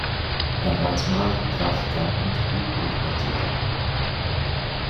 Er war als Maler, Grafiker und Bühnenbildner tätig.